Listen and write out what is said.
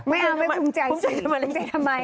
ไม่เอาไม่ภูมิใจฉันก็ไม่ฟูมิใจทำไม